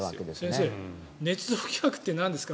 先生ねつ造疑惑ってなんですか？